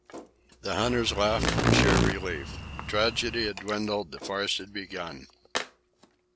The hunters laughed from sheer relief. Tragedy had dwindled, the farce had begun.